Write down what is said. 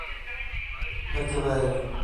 Bacabeira